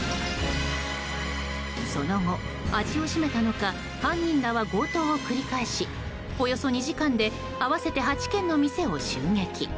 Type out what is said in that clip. その後、味を占めたのか犯人らは強盗を繰り返しおよそ２時間で計８件の店を襲撃。